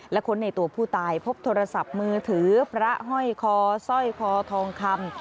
และค้นในตัวผู้ตายพบโทรศัพท์มือถือพระห้อยคอสร้อยคอทองคำ